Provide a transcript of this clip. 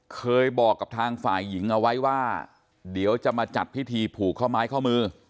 เคยบอกกับทางฝ่ายหญิงเอาไว้ว่าเดี๋ยวจะมาจัดพิธีผูกข้อไม้ข้อมือ